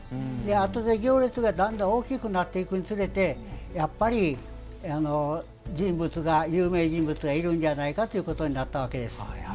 あとで行列がだんだん大きくなっていくにつれてやっぱり有名人物がいるんじゃないかってことになったわけです。